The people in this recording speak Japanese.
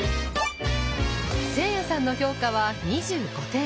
せいやさんの評価は２５点。